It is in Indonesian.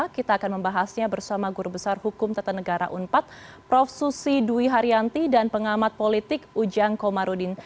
kita akan membahasnya bersama guru besar hukum tata negara unpad prof susi dwi haryanti dan pengamat politik ujang komarudin